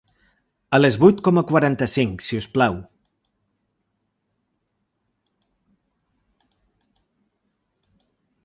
A les vuit coma quaranta-cinc si us plau.